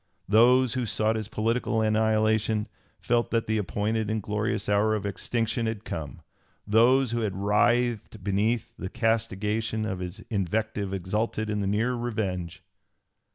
Those who sought his political annihilation felt that the appointed and glorious hour of extinction had come; those who had writhed beneath the castigation of his invective exulted in the near revenge.